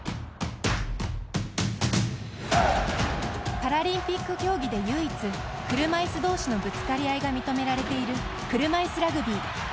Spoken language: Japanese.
パラリンピック競技で唯一車いす同士のぶつかり合いが認められている、車いすラグビー。